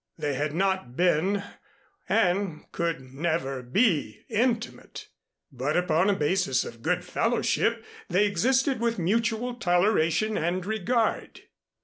They had not been, and could never be intimate, but upon a basis of good fellowship, they existed with mutual toleration and regard.